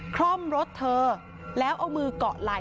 คล่อมรถเธอแล้วเอามือเกาะไหล่